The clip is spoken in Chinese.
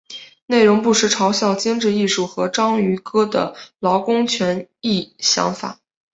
内容不时嘲笑精致艺术和章鱼哥的劳工权益想法。